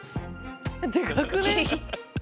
でかくね？